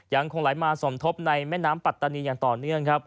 ยังคงไหลมาสมทบในแม่น้ำปัตตานีอย่างต่อเนื่องครับ